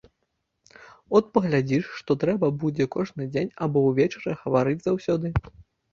От паглядзіш, што трэба будзе кожны дзень або ўвечары гаварыць заўсёды.